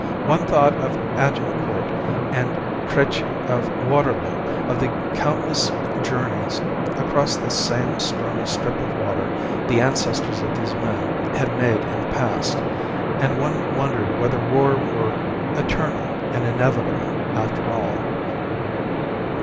One thought of Agincourt and Crecy, of Waterloo, of the countless journeys across this same stormy strip of water the ancestors of these man had made in the past, and one wondered whether war were eternal and inevitable, after all.